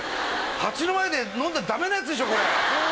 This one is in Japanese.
蜂の前で飲んだらダメなやつでしょ。